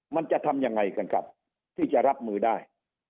มันจะทำยังไงกันครับที่จะรับมือได้